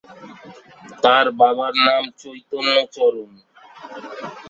তার বাবার নাম চৈতন্যচরণ।